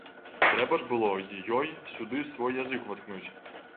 Трэба ж было й ёй сюды свой язык уваткнуць.